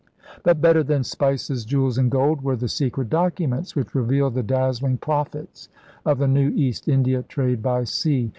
But better than spices, jewels, and gold were the secret documents which revealed the dazzling profits of the new East India trade by sea.